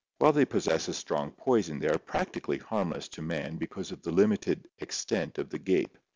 While they possess a strong poison they are practically harmless to man because of the limited extent of the gape.